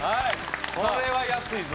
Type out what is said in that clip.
これは安いぞ。